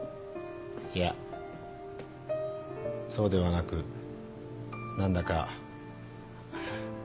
いやそうではなく何だか。